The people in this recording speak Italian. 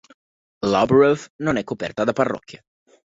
Loughborough non è coperta da parrocchie.